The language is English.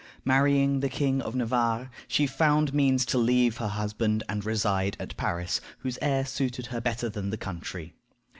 Marrying the King of Navarre, she found means to leave her husband and reside at Paris, whose air suited her better than the country.